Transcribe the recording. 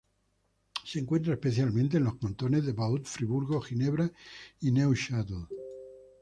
Se encuentra especialmente en los cantones de Vaud, Friburgo, Ginebra y Neuchâtel.